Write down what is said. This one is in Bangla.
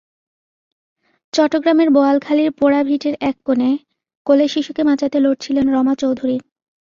চট্টগ্রামের বোয়ালখালীর পোড়া ভিটের এক কোণে কোলের শিশুকে বাঁচাতে লড়ছিলেন রমা চৌধুরী।